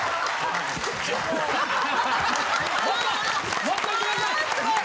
・もっともっといってください・・あ凄い！